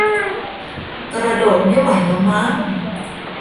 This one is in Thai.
กระโดดไม่ไหวแล้วมั้ง